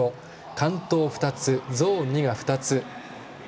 完登２つ、ゾーン２が２つ。